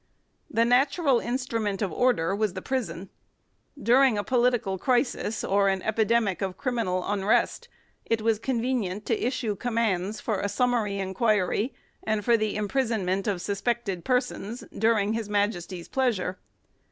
The natural instrument of order was the prison. During a political crisis or an epidemic of criminal unrest it was convenient to issue commands for a summary inquiry and for the imprisonment of suspected persons "during his Majesty's pleasure".